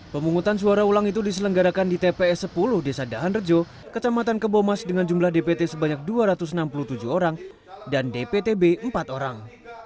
pemungutan suara ulang itu diselenggarakan di tps sepuluh desa dahan rejo kecamatan kebomas dengan jumlah dpt sebanyak dua ratus enam puluh tujuh orang dan dptb empat orang